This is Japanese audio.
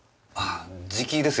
じきですよ。